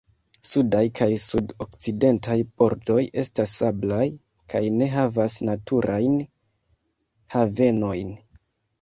Sudaj kaj sud-okcidentaj bordoj estas sablaj kaj ne havas naturajn havenojn.